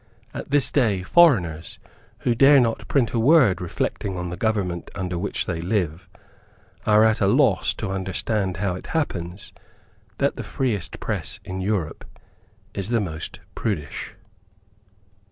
At this day foreigners, who dare not print a word reflecting on the government under which they live, are at a loss to understand how it happens that the freest press in Europe is the most prudish.